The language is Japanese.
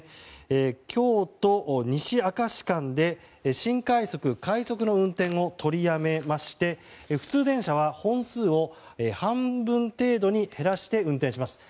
京都西明石間で新快速・快速の運転を取りやめまして、普通電車は本数を半分程度に減らして運転します。